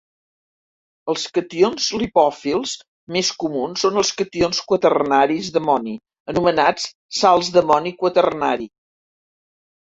Els cations lipòfils més comuns són els cations quaternaris d'amoni, anomenats "sals d'amoni quaternari".